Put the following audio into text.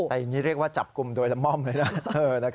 แต่อย่างนี้เรียกว่าจับกลุ่มโดยละม่อมเลยนะ